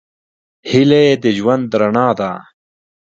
هیلې د ژوند رڼا ده.